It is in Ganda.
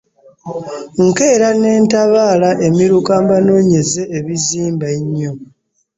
Nkeea n'entaabaala emiruka mbanonyeze ebizmba emyo .